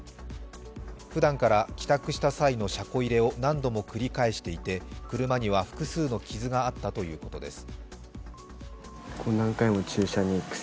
ふだんから帰宅した際の車庫入れを何度も繰り返していて車には複数の傷があったということです。